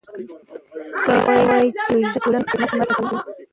میکا وايي چې روژه د ټولنې په خدمت کې مرسته کوي.